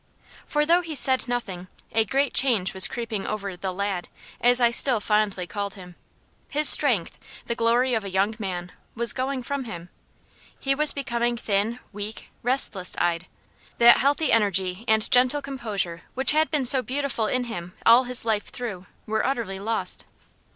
For, though he said nothing, a great change was creeping over "the lad," as I still fondly called him. His strength, the glory of a young man, was going from him he was becoming thin, weak, restless eyed. That healthy energy and gentle composure, which had been so beautiful in him all his life through, were utterly lost.